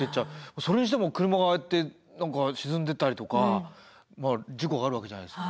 それにしても車がああやって沈んでいったりとか事故があるわけじゃないですか。